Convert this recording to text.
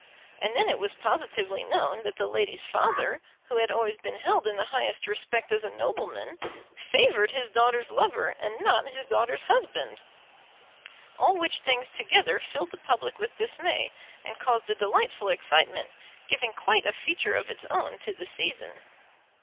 And then it was positively known that the lady's father, who had always been held in the highest respect as a nobleman, favoured his daughter's lover, and not his daughter's husband. All which things together filled the public with dismay, and caused a delightful excitement, giving quite a feature of its own to the season.